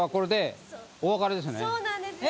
そうなんですよ。